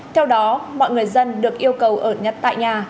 theo đó mọi người dân được yêu cầu ở nhật tại nhà